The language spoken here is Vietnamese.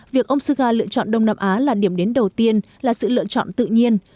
việc ông suga lựa chọn đông nam á là điểm đến đầu tiên là sự lựa chọn tự nhiên